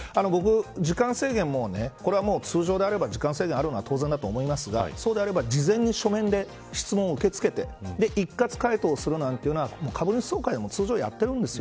時間制限は通常ならあるのは当然だと思いますがそうであれば事前に書面で質問を受け付け一括回答するなんていうのは株主総会でも通常やっています。